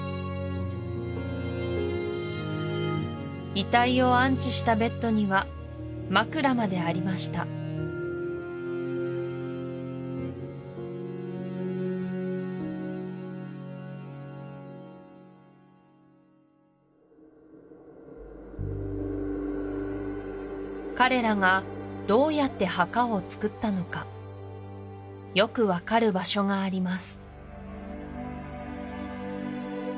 遺体を安置したベッドには枕までありました彼らがどうやって墓をつくったのかよく分かる場所があります